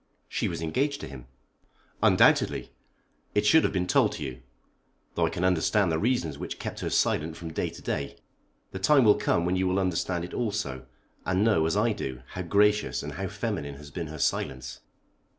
"She was engaged to him." "Undoubtedly. It should have been told to you, though I can understand the reasons which kept her silent from day to day. The time will come when you will understand it also, and know, as I do, how gracious and how feminine has been her silence."